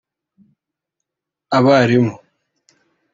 abarimu